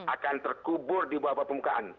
akan terkubur di bawah permukaan